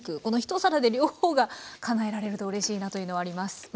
この一皿で両方がかなえられるとうれしいなというのはあります。